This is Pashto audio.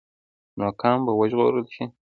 نو قام به وژغورل شي.